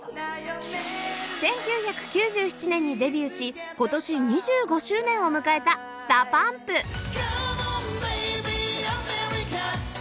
１９９７年にデビューし今年２５周年を迎えた ＤＡＰＵＭＰ「Ｃ’ｍｏｎ，ｂａｂｙ アメリカ」